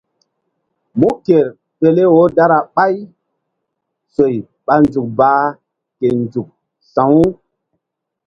Mú ker pele wo dara ɓay soy ɓa nzukbaa ke nzuk sa̧wu.